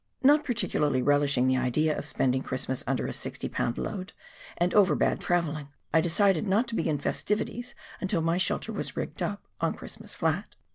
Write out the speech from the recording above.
Not particularly relishing the idea of spending Christmas under a sixty lb. load, and over bad travelling, I decided not to begin festivities until my shelter was rigged up on " Christ mas " Flat.